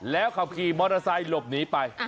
แล้วขับขี่มอเตอร์ไซค์หลบหนีไป